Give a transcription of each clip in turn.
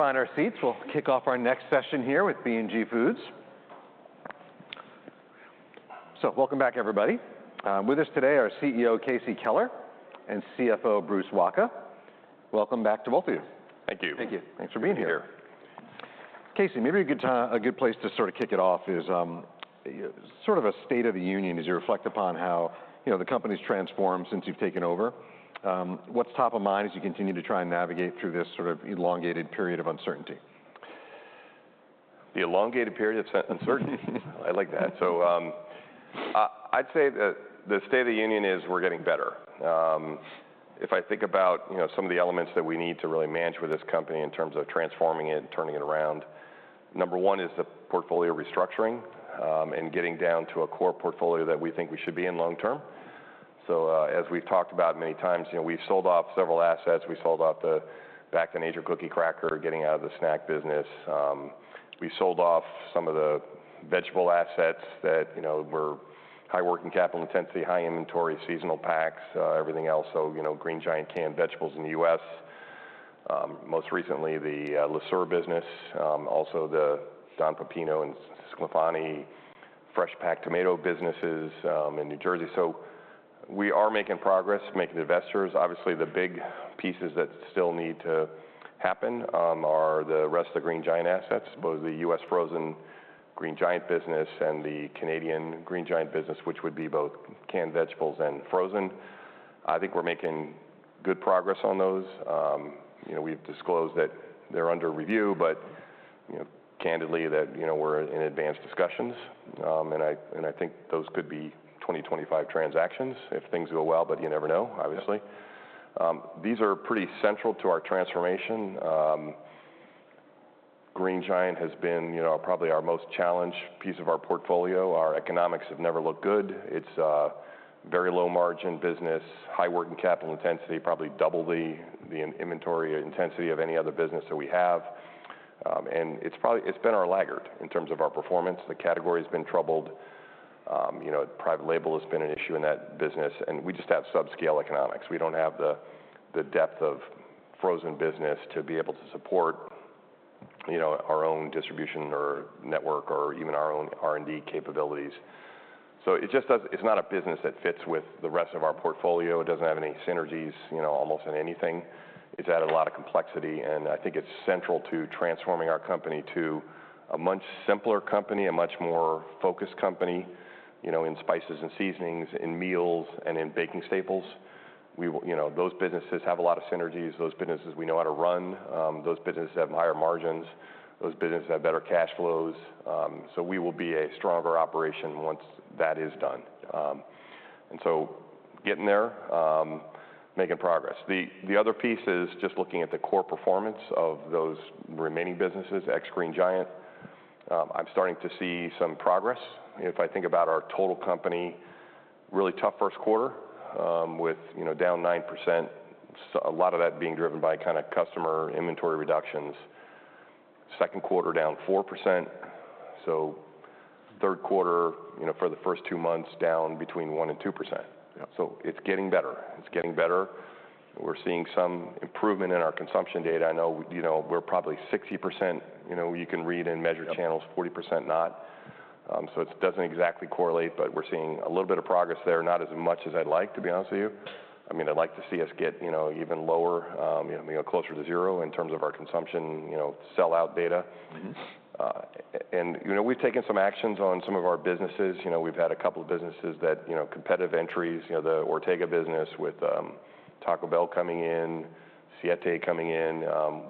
On our seats, we'll kick off our next session here with B&G Foods. So welcome back, everybody. With us today are CEO, Casey Keller, and CFO, Bruce Wacha. Welcome back to both of you. Thank you. Thank you. Thanks for being here. Thank you. Casey, maybe a good time, a good place to sort of kick it off is, sort of a state of the union as you reflect upon how, you know, the company's transformed since you've taken over. What's top of mind as you continue to try and navigate through this sort of elongated period of uncertainty? The elongated period of uncertainty? I like that. So, I'd say that the state of the union is we're getting better. If I think about, you know, some of the elements that we need to really manage with this company in terms of transforming it and turning it around, number one is the portfolio restructuring, and getting down to a core portfolio that we think we should be in long term. So, as we've talked about many times, you know, we've sold off several assets. We sold off the Back to Nature cookie cracker, getting out of the snack business. We sold off some of the vegetable assets that, you know, were high working capital intensity, high inventory, seasonal packs, everything else. So, you know, Green Giant canned vegetables in the U.S. Most recently, the Le Sueur business, also the Don Pepino and Sclafani fresh pack tomato businesses, in New Jersey. We are making progress, making divestitures. Obviously, the big pieces that still need to happen are the rest of the Green Giant assets, both the U.S. frozen Green Giant business and the Canadian Green Giant business, which would be both canned vegetables and frozen. I think we're making good progress on those. You know, we've disclosed that they're under review, but, you know, candidly, that, you know, we're in advanced discussions, and I think those could be 2024-2025 transactions if things go well, but you never know, obviously. Yeah. These are pretty central to our transformation. Green Giant has been, you know, probably our most challenged piece of our portfolio. Our economics have never looked good. It's a very low-margin business, high working capital intensity, probably double the inventory intensity of any other business that we have. And it's probably been our laggard in terms of our performance. The category has been troubled. You know, private label has been an issue in that business, and we just have subscale economics. We don't have the depth of Frozen business to be able to support, you know, our own distribution or network or even our own R&D capabilities. So it just does. It's not a business that fits with the rest of our portfolio. It doesn't have any synergies, you know, almost in anything. It's added a lot of complexity, and I think it's central to transforming our company to a much simpler company, a much more focused company, you know, in Spices and Seasonings, in Meals, and in Baking Staples. We, you know, those businesses have a lot of synergies. Those businesses we know how to run. Those businesses have higher margins, those businesses have better cash flows, so we will be a stronger operation once that is done. And so getting there, making progress. The other piece is just looking at the core performance of those remaining businesses, ex-Green Giant. I'm starting to see some progress. If I think about our total company, really tough first quarter, with, you know, down 9%, a lot of that being driven by kind of customer inventory reductions. Second quarter, down 4%, so third quarter, you know, for the first two months, down between 1% and 2%. Yeah. So it's getting better. It's getting better. We're seeing some improvement in our consumption data. I know, you know, we're probably 60%, you know, you can read and measure channels, 40% not. So it doesn't exactly correlate, but we're seeing a little bit of progress there, not as much as I'd like, to be honest with you. I mean, I'd like to see us get, you know, even lower, you know, closer to zero in terms of our consumption, you know, sell-out data. Mm-hmm. And you know, we've taken some actions on some of our businesses. You know, we've had a couple of businesses that, you know, competitive entries, you know, the Ortega business with Taco Bell coming in, Siete coming in.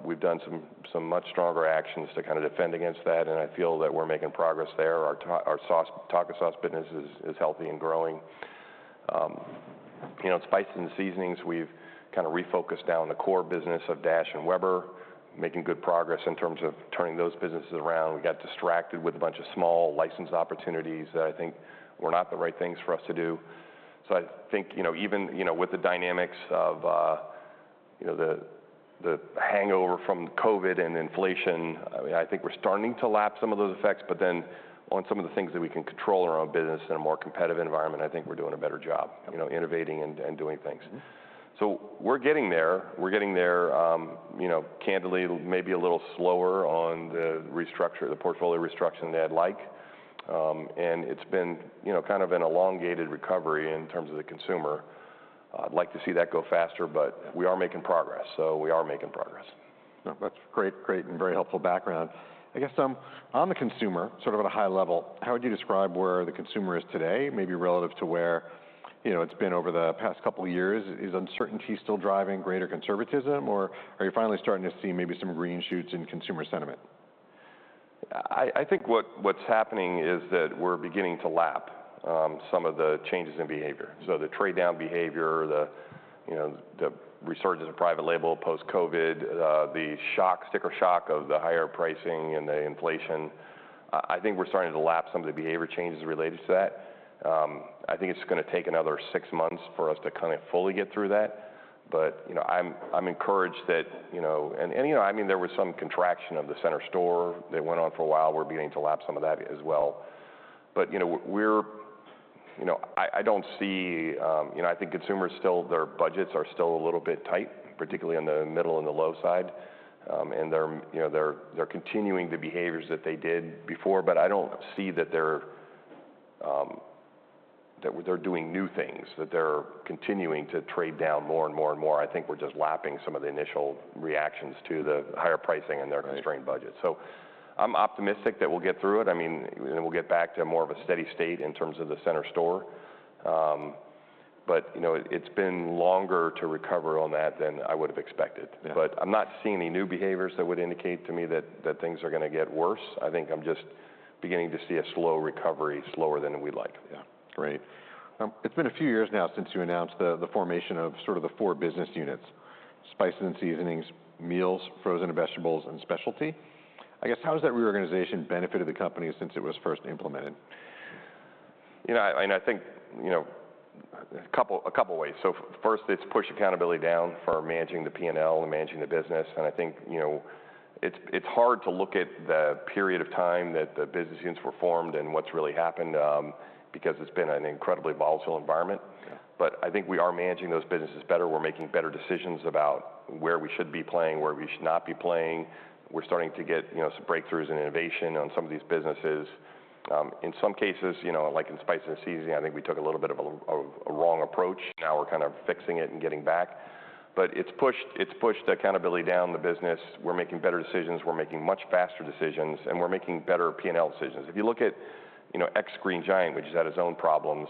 We've done some much stronger actions to kind of defend against that, and I feel that we're making progress there. Our taco sauce business is healthy and growing. You know, Spices and Seasonings, we've kind of refocused down the core business of Dash and Weber, making good progress in terms of turning those businesses around. We got distracted with a bunch of small license opportunities that I think were not the right things for us to do. So I think, you know, even, you know, with the dynamics of, you know, the hangover from COVID and inflation, I think we're starting to lap some of those effects, but then on some of the things that we can control in our own business in a more competitive environment, I think we're doing a better job— Yeah. You know, innovating and doing things. Mm-hmm. So we're getting there. We're getting there, you know, candidly, maybe a little slower on the restructure, the portfolio restructure than I'd like. And it's been, you know, kind of an elongated recovery in terms of the consumer. I'd like to see that go faster, but we are making progress, so we are making progress. Yeah, that's great, great and very helpful background. I guess, on the consumer, sort of at a high level, how would you describe where the consumer is today, maybe relative to where, you know, it's been over the past couple of years? Is uncertainty still driving greater conservatism, or are you finally starting to see maybe some green shoots in consumer sentiment? I think what's happening is that we're beginning to lap some of the changes in behavior. So the trade-down behavior, you know, the resurgence of private label post-COVID, the shock, sticker shock of the higher pricing and the inflation, I think we're starting to lap some of the behavior changes related to that. I think it's gonna take another six months for us to kind of fully get through that, but, you know, I'm encouraged that, you know. You know, I mean, there was some contraction of the center store that went on for a while. We're beginning to lap some of that as well. You know, I don't see. You know, I think consumers still, their budgets are still a little bit tight, particularly on the middle and the low side. And they're, you know, continuing the behaviors that they did before, but I don't see that they're doing new things, that they're continuing to trade down more and more and more. I think we're just lapping some of the initial reactions to the higher pricing and their— Right. Constrained budget. So I'm optimistic that we'll get through it, I mean, and we'll get back to more of a steady state in terms of the center store. But, you know, it's been longer to recover on that than I would have expected. Yeah. But I'm not seeing any new behaviors that would indicate to me that things are gonna get worse. I think I'm just beginning to see a slow recovery, slower than we'd like. Yeah. Great. It's been a few years now since you announced the formation of sort of the four business units: Spices and Seasonings, Meals, Frozen Vegetables, and Specialty. I guess, how has that reorganization benefited the company since it was first implemented? You know, and I think, you know, a couple ways. So first, it's pushed accountability down for managing the P&L and managing the business, and I think, you know, it's hard to look at the period of time that the business units were formed and what's really happened, because it's been an incredibly volatile environment. Yeah. But I think we are managing those businesses better. We're making better decisions about where we should be playing, where we should not be playing. We're starting to get, you know, some breakthroughs in innovation on some of these businesses. In some cases, you know, like in Spices and Seasonings, I think we took a little bit of a wrong approach. Yeah. Now we're kind of fixing it and getting back. But it's pushed, it's pushed accountability down the business. We're making better decisions, we're making much faster decisions, and we're making better P&L decisions. If you look at, you know, ex-Green Giant, which has had its own problems,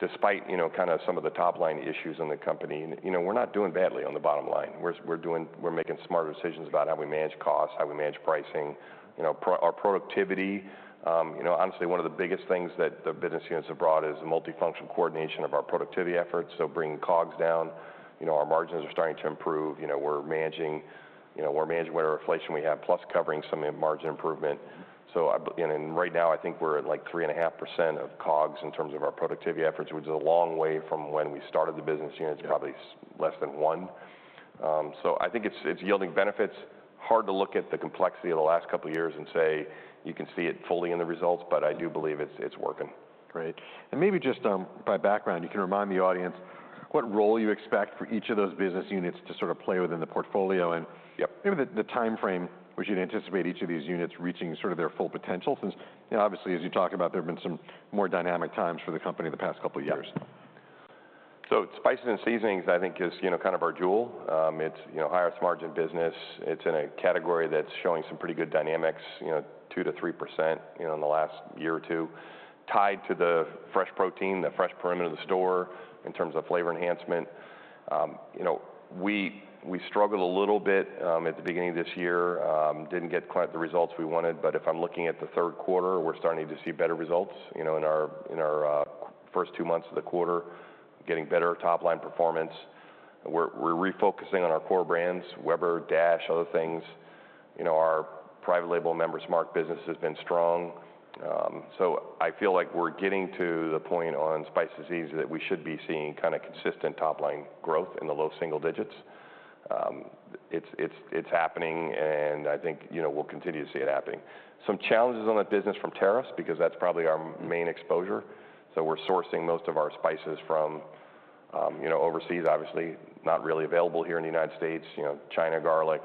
despite, you know, kind of some of the top-line issues in the company, you know, we're not doing badly on the bottom line. We're making smarter decisions about how we manage costs, how we manage pricing. You know, our productivity, you know, honestly, one of the biggest things that the business units have brought is a multifunction coordination of our productivity efforts. So bringing COGS down, you know, our margins are starting to improve. You know, we're managing, you know, we're managing whatever inflation we have, plus covering some of the margin improvement. Mm-hmm. So, and then right now, I think we're at, like, 3.5% of COGS in terms of our productivity efforts, which is a long way from when we started the business units. Yeah Probably less than one. So I think it's yielding benefits. Hard to look at the complexity of the last couple of years and say you can see it fully in the results, but I do believe it's working. Great. And maybe just, by background, you can remind the audience what role you expect for each of those business units to sort of play within the portfolio, and— Yep. Maybe the time frame, which you'd anticipate each of these units reaching sort of their full potential. Since, you know, obviously, as you talk about, there have been some more dynamic times for the company in the past couple of years. Yeah. So Spices and Seasonings, I think, is, you know, kind of our jewel. It's, you know, highest margin business. It's in a category that's showing some pretty good dynamics, you know, 2%-3%, you know, in the last year or two, tied to the fresh protein, the fresh perimeter of the store, in terms of flavor enhancement. You know, we struggled a little bit at the beginning of this year, didn't get quite the results we wanted, but if I'm looking at the third quarter, we're starting to see better results, you know, in our first two months of the quarter, getting better top-line performance. We're refocusing on our core brands, Weber, Dash, other things. You know, our private label Member's Mark business has been strong. So I feel like we're getting to the point on Spices and Seasonings, that we should be seeing kind of consistent top-line growth in the low single digits. It's happening, and I think, you know, we'll continue to see it happening. Some challenges on that business from tariffs, because that's probably our main exposure. So we're sourcing most of our spices from, you know, overseas, obviously, not really available here in the United States, you know, China, garlic,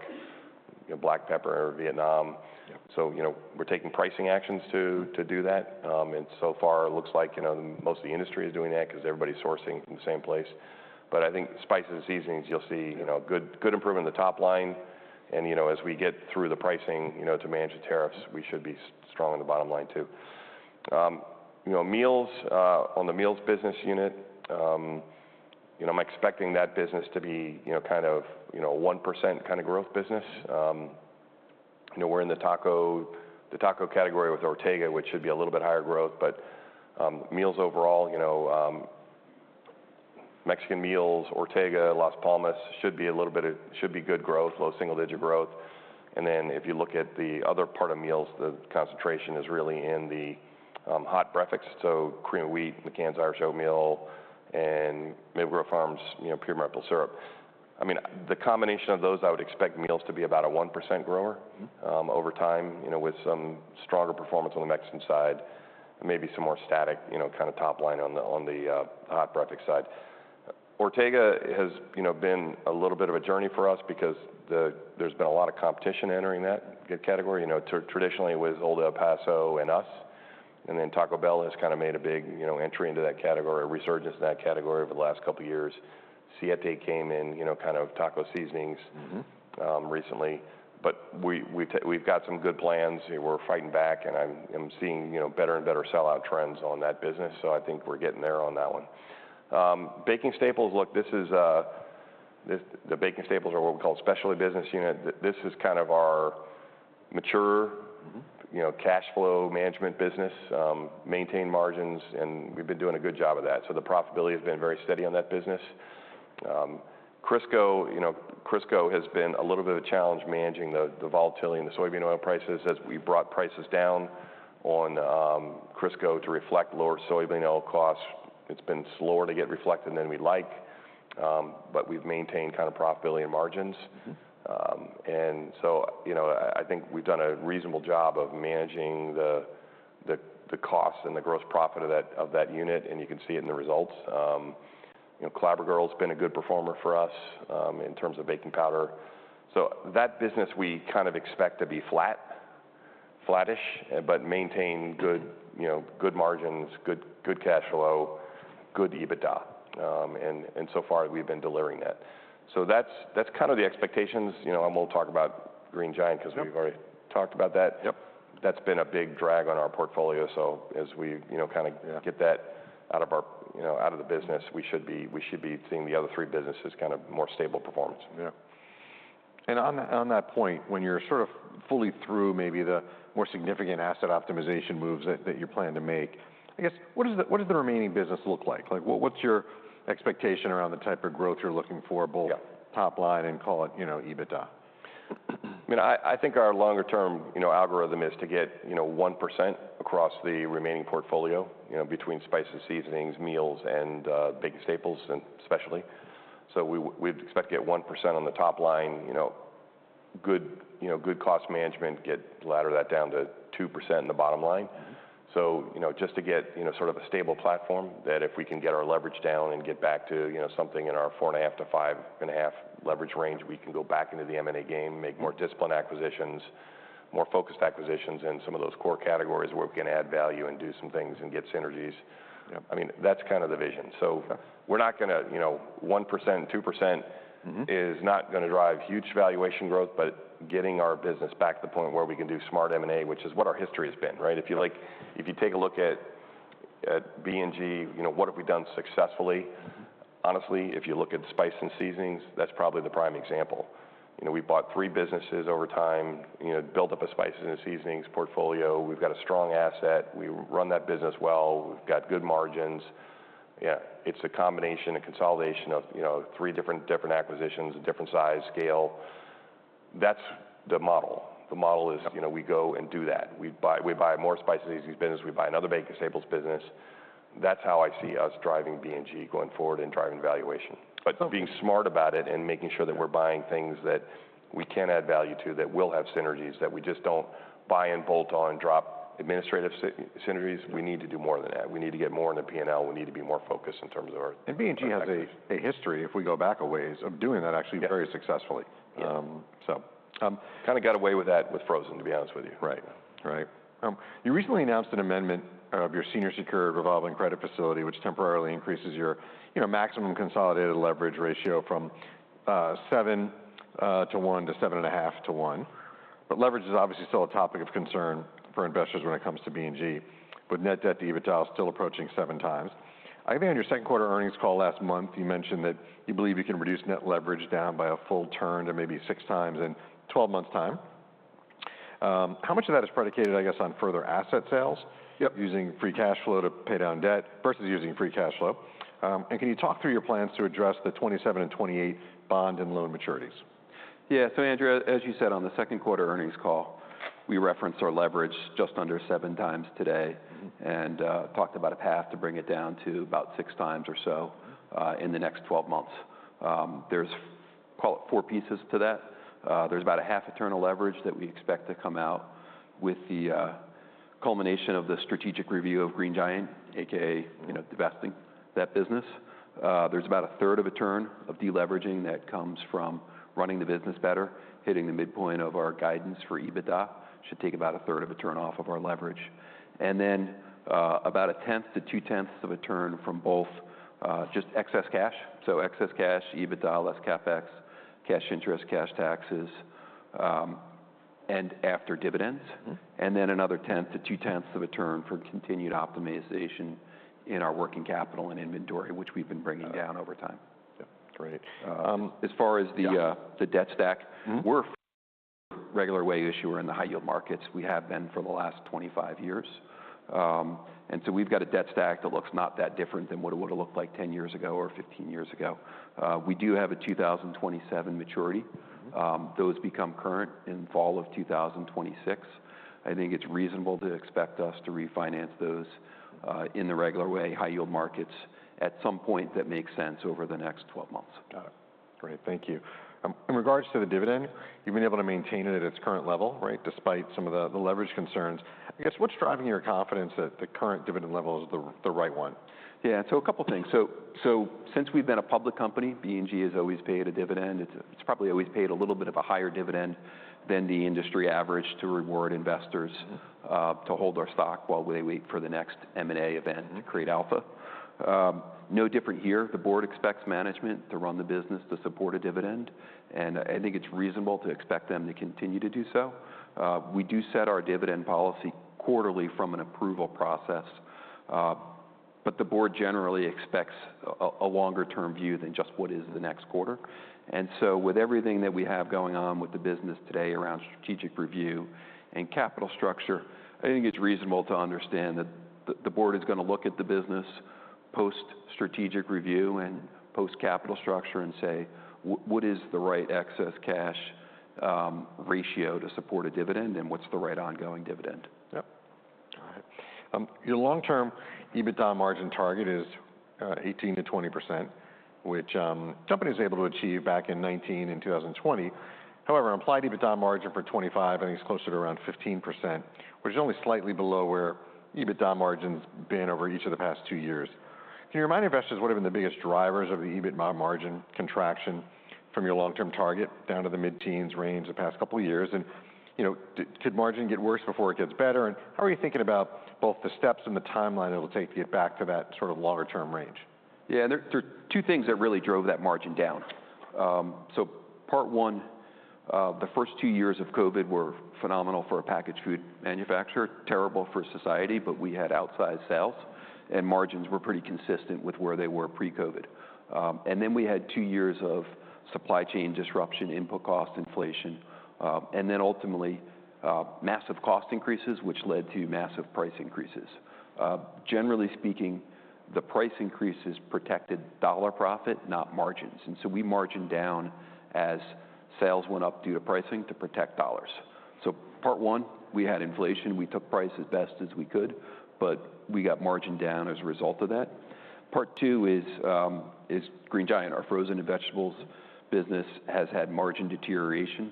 you know, black pepper, Vietnam. Yeah. So, you know, we're taking pricing actions to do that. And so far, it looks like, you know, most of the industry is doing that because everybody's sourcing from the same place. But I think Spices and Seasonings, you'll see, you know, good improvement in the top line. And, you know, as we get through the pricing, you know, to manage the tariffs, we should be strong on the bottom line, too. You know, Meals, on the Meals business unit, you know, I'm expecting that business to be, you know, kind of, 1% kind of growth business. You know, we're in the taco category with Ortega, which should be a little bit higher growth, but Meals overall, you know, Mexican meals, Ortega, Las Palmas, should be good growth, low single-digit growth. And then if you look at the other part of Meals, the concentration is really in the hot breakfast, so Cream of Wheat, McCann's Irish Oatmeal, and Maple Grove Farms, you know, pure maple syrup. I mean, the combination of those, I would expect Meals to be about a 1% grower. Mm-hmm Over time, you know, with some stronger performance on the Mexican side, maybe some more static, you know, kind of top line on the hot breakfast side. Ortega has, you know, been a little bit of a journey for us because there's been a lot of competition entering that category. You know, traditionally, it was Old El Paso and us, and then Taco Bell has kind of made a big, you know, entry into that category, a resurgence in that category over the last couple of years. Siete came in, you know, kind of taco seasonings. Mm-hmm. Recently, but we, we've got some good plans, and we're fighting back, and I'm, I'm seeing, you know, better and better sell-out trends on that business, so I think we're getting there on that one. Baking staples, look, this is, the Baking Staples are what we call specialty business unit. This is kind of our mature— Mm-hmm. You know, cash flow management business, maintain margins, and we've been doing a good job of that. So the profitability has been very steady on that business. Crisco, you know, Crisco has been a little bit of a challenge managing the volatility in the soybean oil prices. As we brought prices down on Crisco to reflect lower soybean oil costs, it's been slower to get reflected than we'd like, but we've maintained kind of profitability and margins. Mm-hmm. And so, you know, I think we've done a reasonable job of managing the cost and the gross profit of that unit, and you can see it in the results. You know, Clabber Girl's been a good performer for us in terms of baking powder. So that business we kind of expect to be flat, flattish, but maintain good margins, good cash flow, good EBITDA, and so far we've been delivering that. So that's kind of the expectations, you know, and we'll talk about Green Giant. Yep. 'Cause we've already talked about that. Yep. That's been a big drag on our portfolio, so as we, you know, kind of- Yeah. Get that out of our, you know, out of the business, we should be, we should be seeing the other three businesses kind of more stable performance. Yeah. And on that point, when you're sort of fully through maybe the more significant asset optimization moves that you're planning to make, I guess, what does the remaining business look like? Like, what's your expectation around the type of growth you're looking for, both— Yep. Top line and call it, you know, EBITDA? I mean, I think our longer term, you know, algorithm is to get, you know, 1% across the remaining portfolio, you know, between Spices and Seasonings, Meals, and Baking Staples and Specialty. So we, we'd expect to get 1% on the top line, you know, good, you know, good cost management, get ladder that down to 2% in the bottom line. Mm-hmm. You know, just to get, you know, sort of a stable platform, that if we can get our leverage down and get back to, you know, something in our four and a half to five and a half leverage range, we can go back into the M&A game, make more disciplined acquisitions, more focused acquisitions in some of those core categories where we can add value and do some things and get synergies. Yep. I mean, that's kind of the vision. Yeah. So we're not gonna, you know, 1%, 2%— Mm-hmm Is not gonna drive huge valuation growth, but getting our business back to the point where we can do smart M&A, which is what our history has been, right? Yeah. If you like, if you take a look at B&G, you know, what have we done successfully? Mm-hmm. Honestly, if you look at Spice and Seasonings, that's probably the prime example. You know, we've bought three businesses over time, you know, built up a Spices and Seasonings portfolio. We've got a strong asset. We run that business well. We've got good margins. Yeah, it's a combination, a consolidation of, you know, three different, different acquisitions, a different size, scale. That's the model. The model is— Yep. You know, we go and do that. We buy, we buy more Spices and Seasonings business, we buy another Baking Staples business. That's how I see us driving B&G going forward and driving valuation. Yep. But being smart about it and making sure that we're buying things that we can add value to, that will have synergies, that we just don't buy and bolt on, drop administrative synergies. Yeah. We need to do more than that. We need to get more in the P&L. We need to be more focused in terms of our— B&G has a history, if we go back a ways, of doing that actually. Yeah. Very successfully. Yeah. Um, so, um— Kinda got away with that, with Frozen, to be honest with you. Right. Right. You recently announced an amendment of your senior secured revolving credit facility, which temporarily increases your, you know, maximum consolidated leverage ratio from seven to one to seven and a half to one. But leverage is obviously still a topic of concern for investors when it comes to B&G, with net debt to EBITDA still approaching seven times. I think on your second quarter earnings call last month, you mentioned that you believe you can reduce net leverage down by a full turn to maybe six times in 12 months' time. How much of that is predicated, I guess, on further asset sales? Yep. Using free cash flow to pay down debt versus using free cash flow, and can you talk through your plans to address the 2027 and 2028 bond and loan maturities? Yeah. So Andrew, as you said, on the second quarter earnings call, we referenced our leverage just under 7x today— Mm-hmm And talked about a path to bring it down to about six times or so in the next twelve months. There's call it four pieces to that. There's about a half a turn of leverage that we expect to come out with the culmination of the strategic review of Green Giant, AKA, you know, divesting that business. There's about a third of a turn of deleveraging that comes from running the business better, hitting the midpoint of our guidance for EBITDA, should take about a third of a turn off of our leverage. And then about a tenth to two-tenths of a turn from both just excess cash, so excess cash, EBITDA less CapEx, cash interest, cash taxes, and after dividends. Mm-hmm. And then another 1/10 to 2/10 of a turn for continued optimization in our working capital and inventory, which we've been bringing down over time. Yeah, great. As far as the debt stack— Mm-hmm. We're regular way issuer in the high yield markets. We have been for the last 25 years, and so we've got a debt stack that looks not that different than what it would've looked like ten years ago or fifteen years ago. We do have a 2027 maturity. Mm-hmm. Those become current in fall of 2026. I think it's reasonable to expect us to refinance those in the regular way, high yield markets, at some point that makes sense over the next 12 months. Got it. Great. Thank you. In regards to the dividend, you've been able to maintain it at its current level, right, despite some of the leverage concerns. I guess, what's driving your confidence that the current dividend level is the right one? So a couple things. So since we've been a public company, B&G has always paid a dividend. It's probably always paid a little bit of a higher dividend than the industry average to reward investors— Mm. To hold our stock while they wait for the next M&A event— Mm. To create alpha. No different here. The board expects management to run the business to support a dividend, and I think it's reasonable to expect them to continue to do so. We do set our dividend policy quarterly from an approval process, but the board generally expects a longer-term view than just what is the next quarter. And so with everything that we have going on with the business today around strategic review and capital structure, I think it's reasonable to understand that the board is gonna look at the business post strategic review and post capital structure and say, "What is the right excess cash ratio to support a dividend, and what's the right ongoing dividend?" Yep, your long-term EBITDA margin target is 18%-20%, which the company was able to achieve back in 2019 and 2020. However, implied EBITDA margin for 2025, I think, is closer to around 15%, which is only slightly below where EBITDA margin's been over each of the past two years. Can you remind investors what have been the biggest drivers of the EBITDA margin contraction from your long-term target down to the mid-teens range the past couple of years? And, you know, could margin get worse before it gets better, and how are you thinking about both the steps and the timeline it'll take to get back to that sort of longer-term range? Yeah, there are two things that really drove that margin down. So part one, the first two years of COVID were phenomenal for a packaged food manufacturer, terrible for society, but we had outsized sales, and margins were pretty consistent with where they were pre-COVID. And then we had two years of supply chain disruption, input cost inflation, and then ultimately, massive cost increases, which led to massive price increases. Generally speaking, the price increases protected dollar profit, not margins, and so we margined down as sales went up due to pricing to protect dollars. So part one, we had inflation. We took price as best as we could, but we got margined down as a result of that. Part two is Green Giant. Our Frozen and Vegetables business has had margin deterioration.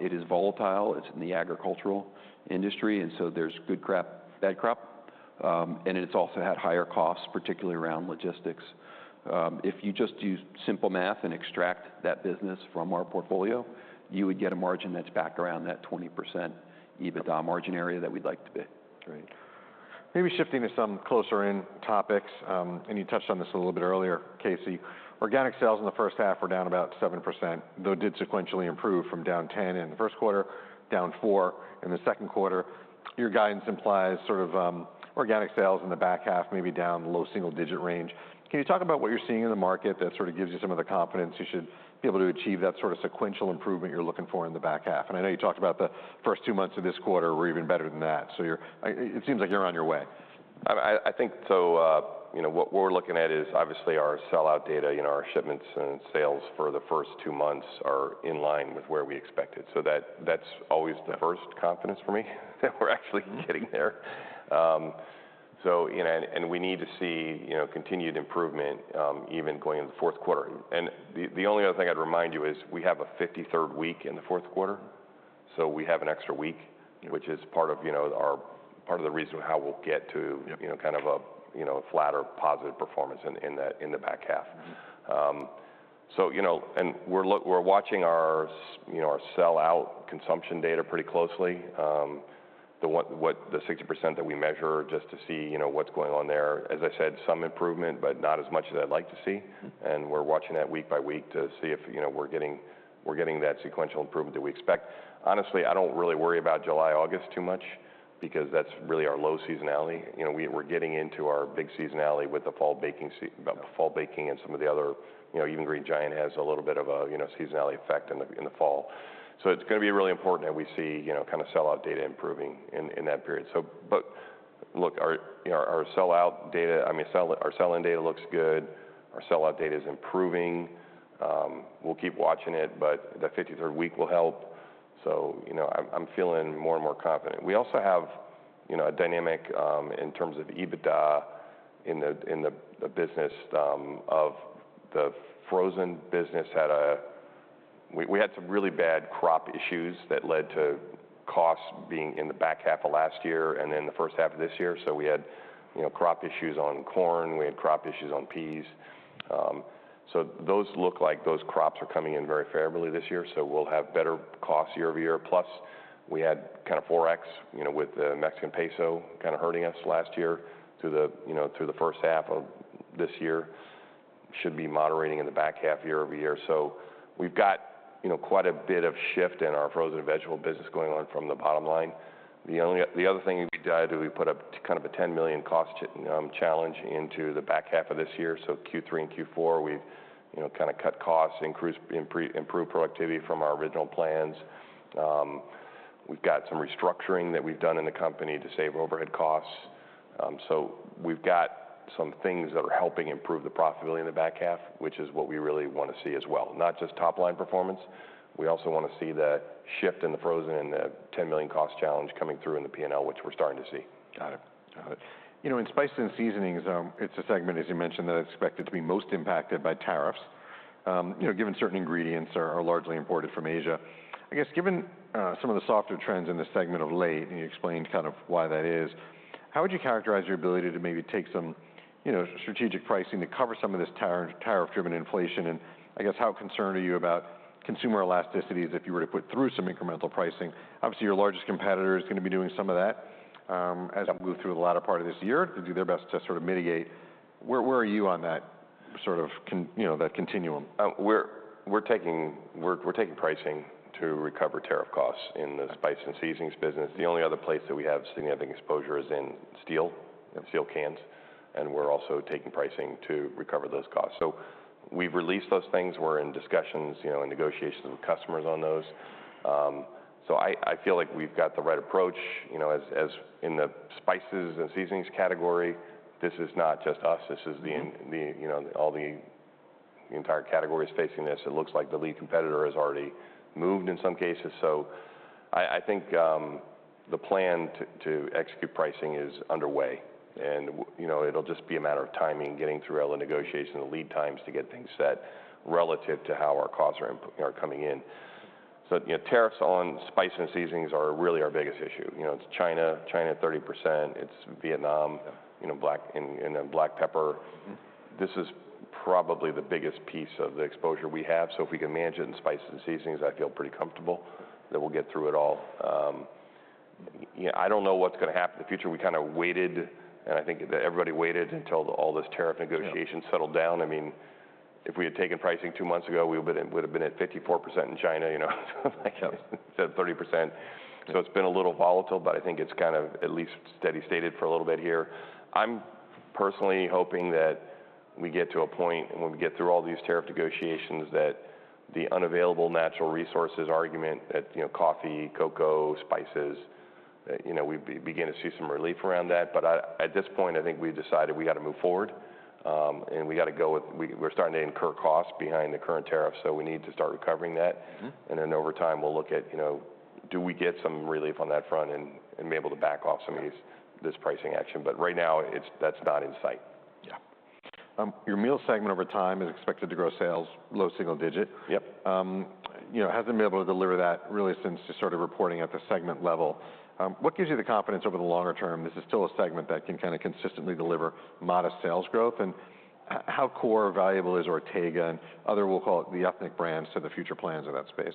It is volatile, it's in the agricultural industry, and so there's good crop, bad crop, and it's also had higher costs, particularly around logistics. If you just do simple math and extract that business from our portfolio, you would get a margin that's back around that 20% EBITDA margin area that we'd like to be. Great. Maybe shifting to some closer in topics, and you touched on this a little bit earlier, Casey. Organic sales in the first half were down about 7%, though it did sequentially improve from down 10% in the first quarter, down 4% in the second quarter. Your guidance implies sort of organic sales in the back half, maybe down low single-digit range. Can you talk about what you're seeing in the market that sort of gives you some of the confidence you should be able to achieve that sort of sequential improvement you're looking for in the back half? And I know you talked about the first two months of this quarter were even better than that, so it seems like you're on your way. I think so, you know, what we're looking at is obviously our sell-out data, you know, our shipments and sales for the first two months are in line with where we expected. So that, that's always the first confidence for me, that we're actually getting there. So, you know, and we need to see, you know, continued improvement, even going into the fourth quarter. And the only other thing I'd remind you is we have a 53rd week in the fourth quarter, so we have an extra week— Yeah. Which is part of, you know, part of the reason how we'll get to— Yep. You know, kind of a flatter, positive performance in the back half. Mm-hmm. So, you know, and we're watching our sell out consumption data pretty closely. The 60% that we measure, just to see, you know, what's going on there. As I said, some improvement, but not as much as I'd like to see. Mm-hmm. And we're watching that week by week to see if, you know, we're getting that sequential improvement that we expect. Honestly, I don't really worry about July, August too much because that's really our low seasonality. You know, we're getting into our big seasonality with the fall baking and some of the other. You know, even Green Giant has a little bit of a, you know, seasonality effect in the fall. So it's gonna be really important that we see, you know, kind of sell-out data improving in that period. So but look, our sell-out data, I mean, our sell-in data looks good, our sell-out data is improving. We'll keep watching it, but the fifty-third week will help. So, you know, I'm feeling more and more confident. We also have, you know, a dynamic in terms of EBITDA in the business of the Frozen business had a—We had some really bad crop issues that led to costs being in the back half of last year and then the first half of this year. So we had, you know, crop issues on corn, we had crop issues on peas. So those look like those crops are coming in very favorably this year, so we'll have better costs year-over-year. Plus, we had kind of FX, you know, with the Mexican peso kinda hurting us last year through the, you know, through the first half of this year. Should be moderating in the back half year-over-year. So we've got, you know, quite a bit of shift in our Frozen and Vegetable business going on from the bottom line. The other thing we did, we put up kind of a $10 million cost challenge into the back half of this year. So Q3 and Q4, we've, you know, kinda cut costs, improved productivity from our original plans. We've got some restructuring that we've done in the company to save overhead costs. So we've got some things that are helping improve the profitability in the back half, which is what we really want to see as well. Not just top-line performance, we also want to see that shift in the Frozen and the $10 million cost challenge coming through in the P&L, which we're starting to see. Got it. Got it. You know, in spice and seasonings, it's a segment, as you mentioned, that is expected to be most impacted by tariffs, you know, given certain ingredients are largely imported from Asia. I guess, given some of the softer trends in the segment of late, and you explained kind of why that is, how would you characterize your ability to maybe take some, you know, strategic pricing to cover some of this tariff-driven inflation? And I guess, how concerned are you about consumer elasticities if you were to put through some incremental pricing? Obviously, your largest competitor is gonna be doing some of that, as I move through the latter part of this year, to do their best to sort of mitigate. Where are you on that sort of, you know, that continuum? We're taking pricing to recover tariff costs in the— Okay. Spice and Seasonings business. The only other place that we have significant exposure is in steel, steel cans, and we're also taking pricing to recover those costs. So we've released those things. We're in discussions, you know, and negotiations with customers on those. So I feel like we've got the right approach. You know, as in the Spices and Seasonings category, this is not just us, this is the— Mm-hmm. You know, the entire category is facing this. It looks like the lead competitor has already moved in some cases. So I think the plan to execute pricing is underway, and you know, it'll just be a matter of timing, getting through all the negotiation, the lead times to get things set relative to how our costs are coming in. So, you know, tariffs on Spice and Seasonings are really our biggest issue. You know, it's China, 30%, it's Vietnam, you know, black pepper. Mm-hmm. This is probably the biggest piece of the exposure we have. So if we can manage it in spice and seasonings, I feel pretty comfortable that we'll get through it all. Yeah, I don't know what's gonna happen in the future. We kinda waited, and I think that everybody waited until all this tariff negotiations— Yeah. Settled down. I mean, if we had taken pricing two months ago, we would have been at 54% in China, you know, instead of 30%. So it's been a little volatile, but I think it's kind of at least steady stated for a little bit here. I'm personally hoping that we get to a point, and when we get through all these tariff negotiations, that the unavailable natural resources argument, that, you know, coffee, cocoa, spices, you know, we begin to see some relief around that. But at this point, I think we've decided we got to move forward, and we're starting to incur costs behind the current tariff, so we need to start recovering that. Mm-hmm. And then over time, we'll look at, you know, do we get some relief on that front and be able to back off some of these— Yeah. This pricing action. But right now, it's, that's not in sight. Yeah. Your meal segment over time is expected to grow sales, low single digit. Yep. You know, hasn't been able to deliver that really since just sort of reporting at the segment level. What gives you the confidence over the longer term, this is still a segment that can kinda consistently deliver modest sales growth, and how core valuable is Ortega and other, we'll call it, the ethnic brands, to the future plans in that space?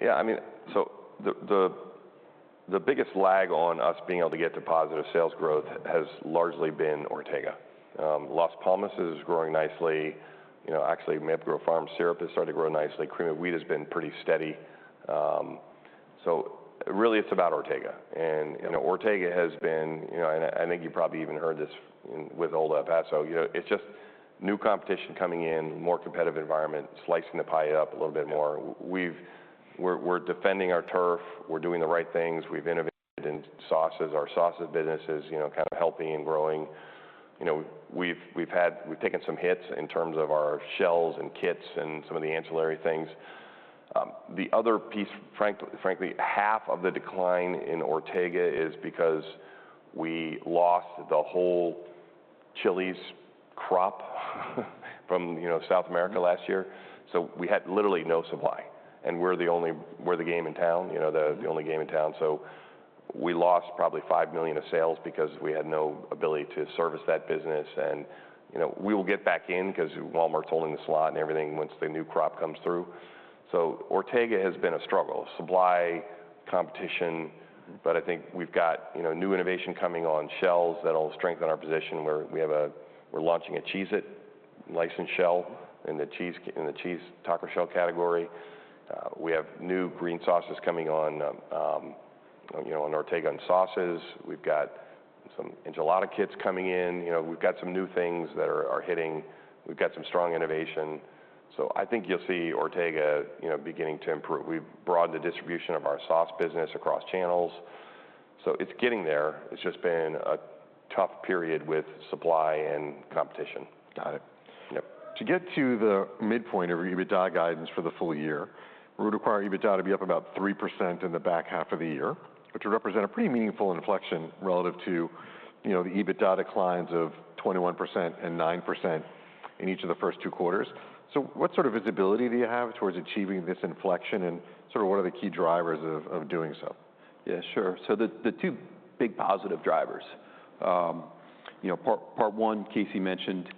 Yeah, I mean, so the biggest lag on us being able to get to positive sales growth has largely been Ortega. Las Palmas is growing nicely. You know, actually, Maple Grove Farms syrup has started to grow nicely. Cream of Wheat has been pretty steady. So really, it's about Ortega. Mm-hmm. Ortega has been, you know, and I think you probably even heard this with Old El Paso, you know. It's just new competition coming in, more competitive environment, slicing the pie up a little bit more. Yeah. We're defending our turf, we're doing the right things. We've innovated in sauces. Our sauces business is, you know, kind of healthy and growing. You know, we've taken some hits in terms of our shells and kits and some of the ancillary things. The other piece, frankly, half of the decline in Ortega is because we lost the whole chilies crop from, you know, South America. Mm-hmm. Last year. So we had literally no supply, and we're the game in town, you know. Mm-hmm the only game in town. So we lost probably $5 million of sales because we had no ability to service that business, and, you know, we will get back in 'cause Walmart's holding the slot and everything once the new crop comes through. So Ortega has been a struggle, supply, competition, but I think we've got, you know, new innovation coming on shelves that'll strengthen our position. We're launching a Cheez-It licensed shell in the cheese taco shell category. We have new green sauces coming on, you know, on Ortega sauces. We've got some enchilada kits coming in. You know, we've got some new things that are hitting. We've got some strong innovation. So I think you'll see Ortega, you know, beginning to improve. We've broadened the distribution of our sauce business across channels, so it's getting there. It's just been a tough period with supply and competition. Got it. Yep. To get to the midpoint of your EBITDA guidance for the full year, it would require EBITDA to be up about 3% in the back half of the year, which would represent a pretty meaningful inflection relative to, you know, the EBITDA declines of 21% and 9% in each of the first two quarters. So what sort of visibility do you have towards achieving this inflection, and sort of what are the key drivers of doing so? Yeah, sure. So the two big positive drivers, you know, part one, Casey mentioned,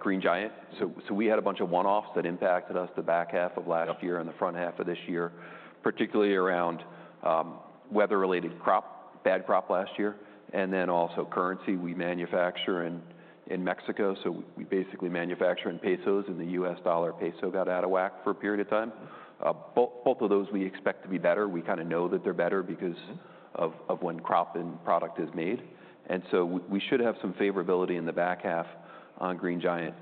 Green Giant. So we had a bunch of one-offs that impacted us the back half of last year. Yep. And the front half of this year, particularly around weather-related crop, bad crop last year, and then also currency. We manufacture in Mexico, so we basically manufacture in pesos, and the U.S. dollar peso got out of whack for a period of time. Both of those we expect to be better. We kinda know that they're better because— Mm. Of when crop and product is made. We should have some favorability in the back half on Green Giant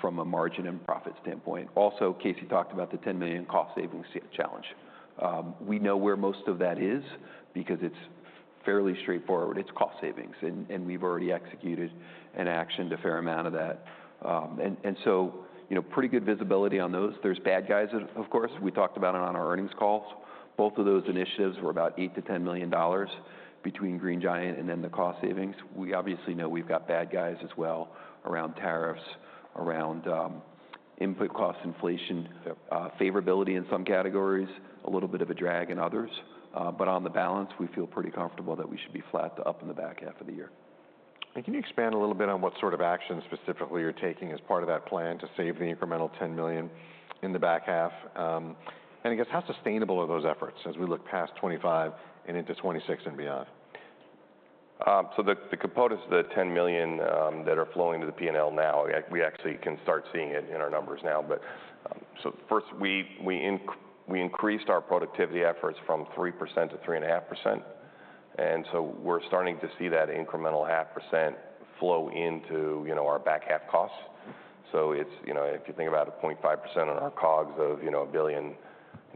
from a margin and profit standpoint. Also, Casey talked about the 10 million cost savings challenge. We know where most of that is because it's fairly straightforward. It's cost savings, and we've already executed and actioned a fair amount of that. So, you know, pretty good visibility on those. There's bad guys, of course. We talked about it on our earnings calls. Both of those initiatives were about $8 million-$10 million between Green Giant and then the cost savings. We obviously know we've got bad guys as well around tariffs, around input costs, inflation— Yep. Favorability in some categories, a little bit of a drag in others, but on the balance, we feel pretty comfortable that we should be flat to up in the back half of the year. And can you expand a little bit on what sort of actions specifically you're taking as part of that plan to save the incremental $10 million in the back half? And I guess, how sustainable are those efforts as we look past 2025 and into 2026 and beyond? The components of the $10 million that are flowing to the P&L now, we actually can start seeing it in our numbers now. First, we increased our productivity efforts from 3% to 3.5%, and so we're starting to see that incremental 0.5% flow into, you know, our back half costs. Mm-hmm. You know, if you think about it, 0.5% on our COGS of $1 billion, you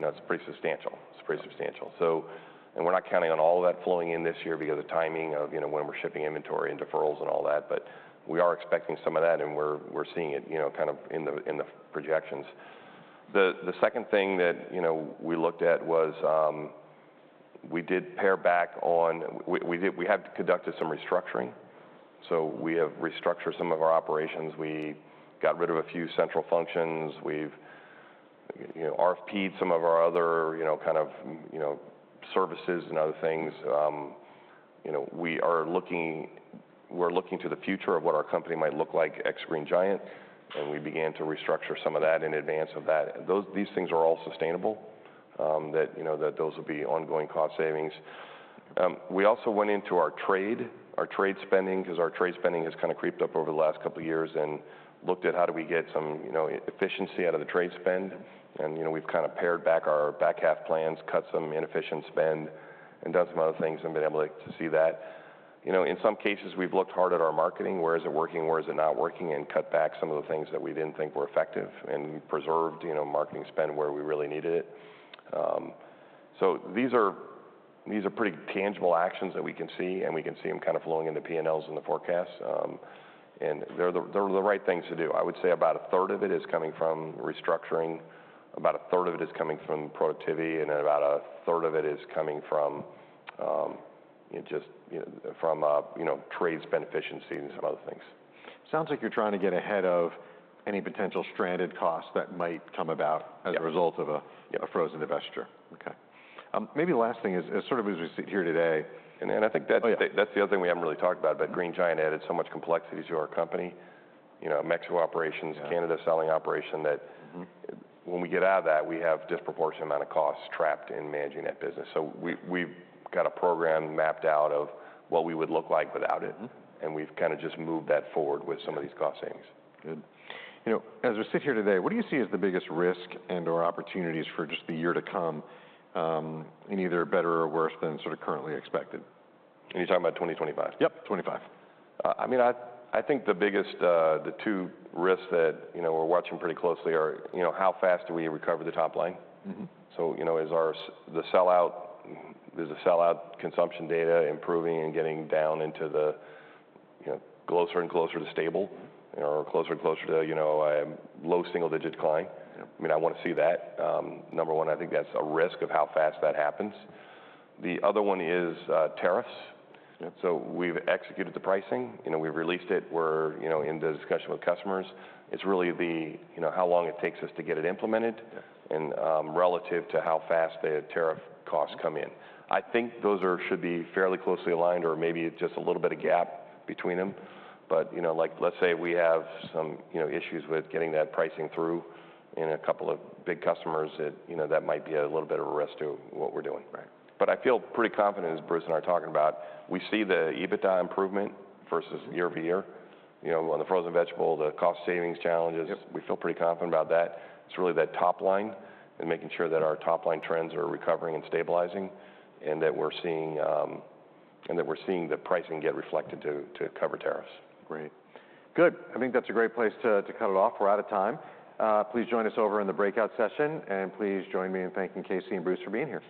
know, it's pretty substantial. It's pretty substantial. So, and we're not counting on all of that flowing in this year because the timing of, you know, when we're shipping inventory and deferrals and all that, but we are expecting some of that, and we're seeing it, you know, kind of in the projections. The second thing that, you know, we looked at was, we did pare back on. We have conducted some restructuring. So we have restructured some of our operations. We got rid of a few central functions. We've, you know, RFP'd some of our other, you know, kind of services and other things. You know, we're looking to the future of what our company might look like, ex-Green Giant, and we began to restructure some of that in advance of that. These things are all sustainable, you know, those will be ongoing cost savings. We also went into our trade spending, because our trade spending has kind of creeped up over the last couple of years, and looked at how do we get some, you know, efficiency out of the trade spend. You know, we've kind of pared back our back half plans, cut some inefficient spend, and done some other things and been able to see that. You know, in some cases, we've looked hard at our marketing, where is it working, where is it not working, and cut back some of the things that we didn't think were effective and preserved, you know, marketing spend where we really needed it, so these are pretty tangible actions that we can see, and we can see them kind of flowing into P&Ls in the forecast, and they're the right things to do. I would say about a third of it is coming from restructuring, about a third of it is coming from productivity, and about a third of it is coming from just, you know, trade spend efficiency and some other things. Sounds like you're trying to get ahead of any potential stranded costs that might come about. Yeah, as a result of a Frozen divestiture. Okay. Maybe the last thing is sort of as we sit here today— I think that— Oh, yeah. That's the other thing we haven't really talked about, that Green Giant added so much complexities to our company. You know, Mexico operations— Yeah. Canada selling operation, that— Mm-hmm When we get out of that, we have disproportionate amount of costs trapped in managing that business. So we've got a program mapped out of what we would look like without it. Mm-hmm. We've kind of just moved that forward with some of these cost savings. Good. You know, as we sit here today, what do you see as the biggest risk and/or opportunities for just the year to come, in either better or worse than sort of currently expected? You're talking about 2025? Yep, 2025. I mean, I think the biggest, the two risks that, you know, we're watching pretty closely are, you know, how fast do we recover the top line? Mm-hmm. So, you know, does the sell-out consumption data improving and getting down into the, you know, closer and closer to stable? Mm. Or closer and closer to, you know, a low single-digit decline. Yep. I mean, I want to see that. Number one, I think that's a risk of how fast that happens. The other one is, tariffs. Yep. So we've executed the pricing, you know, we've released it, we're, you know, in the discussion with customers. It's really the, you know, how long it takes us to get it implemented. Yeah And relative to how fast the tariff costs come in. I think those are should be fairly closely aligned or maybe just a little bit of gap between them. But, you know, like, let's say we have some, you know, issues with getting that pricing through in a couple of big customers that, you know, that might be a little bit of a risk to what we're doing. Right. But I feel pretty confident, as Bruce and I are talking about. We see the EBITDA improvement versus year-over-year, you know, on the Frozen and Vegetable, the cost savings challenges. Yep. We feel pretty confident about that. It's really that top line and making sure that our top-line trends are recovering and stabilizing, and that we're seeing the pricing get reflected to cover tariffs. Great. Good. I think that's a great place to cut it off. We're out of time. Please join us over in the breakout session, and please join me in thanking Casey and Bruce for being here.